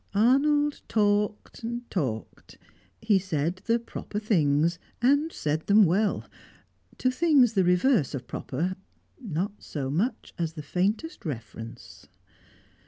Arnold talked, talked. He said the proper things, and said them well; to things the reverse of proper, not so much as the faintest reference.